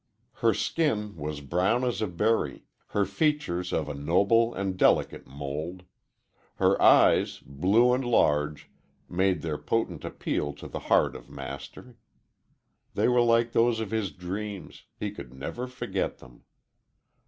Her skin was brown as a berry, her features of a noble and delicate mould. Her eyes, blue and large, made their potent appeal to the heart of Master. They were like those of his dreams he could never forget them.